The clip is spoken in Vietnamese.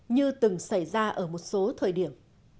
như từng xảy ra ở một số thời điểm